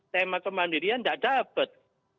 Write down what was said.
tema kemandirian enggak dapat